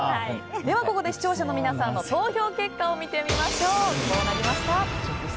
では、ここで視聴者の皆さんの投票結果を見てみましょう。